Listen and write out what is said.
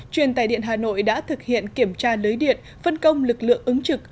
truyền tài điện hà nội đã thực hiện kiểm tra lưới điện phân công lực lượng ứng trực